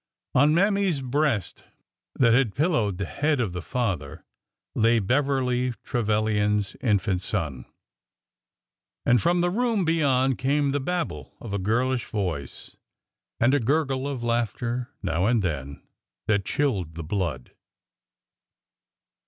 On Mammy's breast, that had pillowed the head of the father, lay Beverly Trevilian's infant son. And from the room beyond came the babble of a girl ish voice, and a gurgle of laughter now and then that chilled the blood